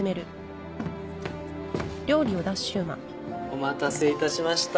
お待たせいたしました。